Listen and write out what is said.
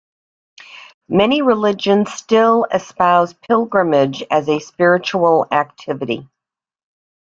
Many religions still espouse pilgrimage as a spiritual activity.